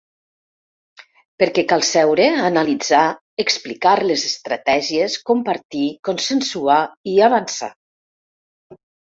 Perquè cal seure, analitzar, explicar les estratègies, compartir, consensuar i avançar.